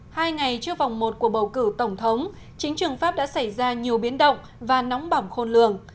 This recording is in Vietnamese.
hai ngày trước vòng một cuộc bầu cử tổng thống chính trường pháp đã xảy ra nhiều biến động và nóng bỏng khôn lường